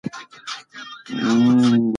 تنوع د افغانانو لپاره په معنوي لحاظ ارزښت لري.